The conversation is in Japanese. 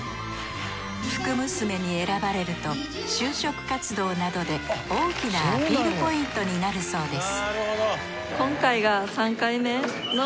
福娘に選ばれると就職活動などで大きなアピールポイントになるそうです